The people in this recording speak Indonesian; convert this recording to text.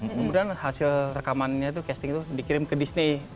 kemudian hasil rekamannya itu casting itu dikirim ke disney